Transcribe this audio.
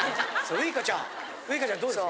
ウイカちゃんどうですか？